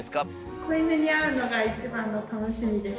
子犬に会うのが一番の楽しみです。